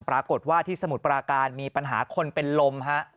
ปรากฏว่าที่สมุทรปราการมีปัญหาคนเป็นลมฮะ